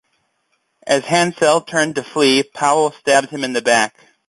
As Hansell turned to flee, Powell stabbed him in the back.